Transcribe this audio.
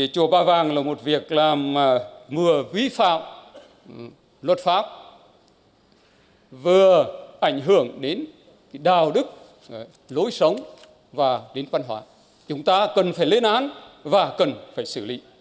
chùa ba vàng là một việc làm vừa vi phạm luật pháp vừa ảnh hưởng đến đạo đức lối sống và đến văn hóa chúng ta cần phải lên án và cần phải xử lý